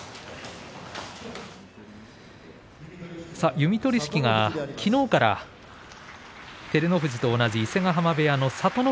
弓取式がきのうから照ノ富士と同じ伊勢ヶ濱部屋の聡ノ